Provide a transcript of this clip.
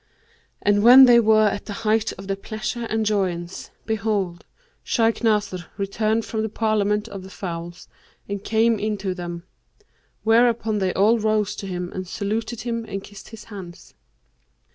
And when they were at the height of their pleasure and joyance, behold, Shaykh Nasr returned from the Parliament of the Fowls and came in to them; whereupon they all rose to him and saluted him and kissed his hands.